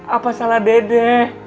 apa salah dede